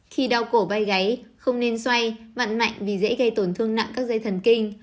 khi đau cổ bay gáy không nên xoay vặn mạnh vì dễ gây tổn thương nặng các dây thần kinh